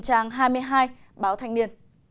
trang hai mươi hai báo thanh niên